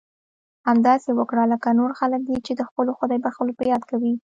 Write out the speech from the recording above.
همداسې وکړه لکه نور خلک یې چې د خپلو خدای بښلو په یاد کوي.